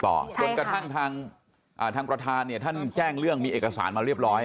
จนกระทั่งทางประธานเนี่ยท่านแจ้งเรื่องมีเอกสารมาเรียบร้อย